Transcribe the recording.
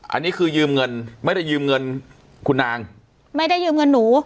อันนี้คือยืมเงินไม่ได้ยืมเงินคุณนางไม่ได้ยืมเงินหนู